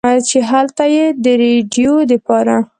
چې هلته ئې د رېډيو دپاره